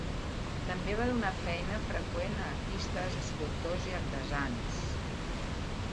També va donar feina freqüent a artistes, escultors i artesans.